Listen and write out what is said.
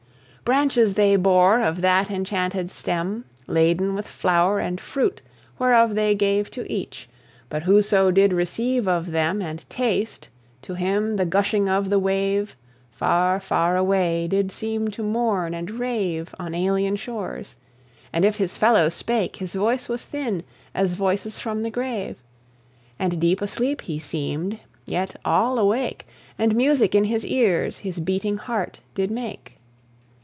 Branches they bore of that enchanted stem, Laden with flower and fruit, whereof they gave To each, but whoso did receive of them, And taste, to him the gushing of the wave Far, far away did seem to mourn and rave On alien shores; and if his fellow spake, His voice was thin, as voices from the grave; And deep asleep he seem'd, yet all awake, And music in his ears his beating heart did make.